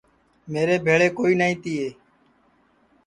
میرے ٻھیݪے کوئی نائی تیئے